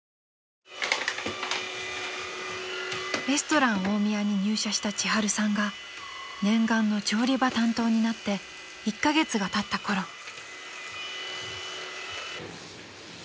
［レストラン大宮に入社した千春さんが念願の調理場担当になって１カ月がたったころ］